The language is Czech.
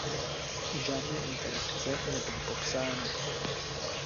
Žádné interakce nebyly popsány.